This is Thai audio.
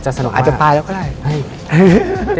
อาจจะตายแล้วก็ได้